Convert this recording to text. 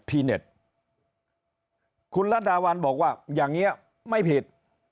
พิเทศคุณละดาวันบอกว่าอย่างเงี้ยไม่ผิด